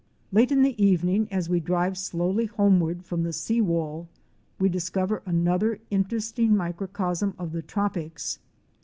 Late in the evening as we drive slowly homeward from the sea wall we discover another interesting microcosm of the tropics.